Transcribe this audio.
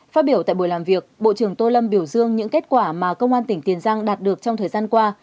phát biểu tại buổi làm việc bộ trưởng tô lâm biểu dương những kết quả mà công an tỉnh tiền giang đạt được trong thời gian qua